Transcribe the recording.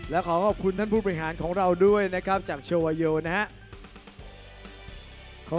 และขอขอบคุณท่านผู้บริหารของเราด้วยนะครับจากโชวาโยนะครับ